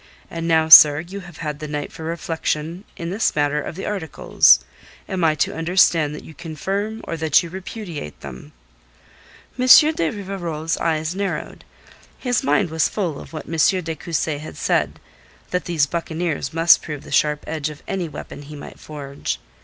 And now, sir, you have had the night for reflection in this matter of the articles. Am I to understand that you confirm or that you repudiate them?" M. de Rivarol's eyes narrowed. His mind was full of what M. de Cussy had said that these buccaneers must prove the sharp edge of any weapon he might forge.